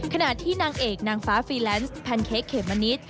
ขณะที่นางเอกนางฟ้าฟีแลนซ์แพนเค้กเขมมะนิด